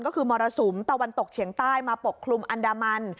ก็คือมรสุมตะวันตกเฉียงใต้มาปกคลุมอันดามัน